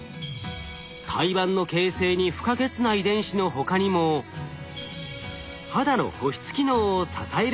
胎盤の形成に不可欠な遺伝子の他にも肌の保湿機能を支える遺伝子。